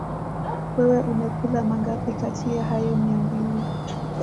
Wewe umekula mangapi kati ya hayo mia mbili